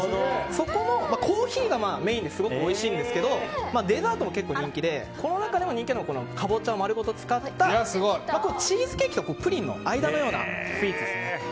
そこのコーヒーがメインですごくおいしいんですけどデザートも結構人気でその中でも人気なのがかぼちゃを丸ごと使ったチーズケーキとプリンの間のようなスイーツです。